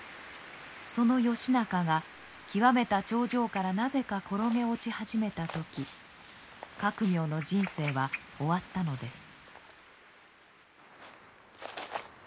その義仲が極めた頂上からなぜか転げ落ち始めた時覚明の人生は終わったのです。